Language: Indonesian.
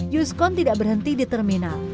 yuskon tidak berhenti di terminal